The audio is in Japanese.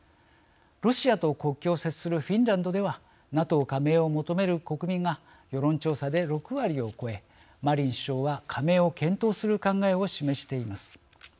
ロシアと国境を接するフィンランドではＮＡＴＯ加盟を求める国民が世論調査で６割を超えマリン首相は加盟を検討する考えを示しています。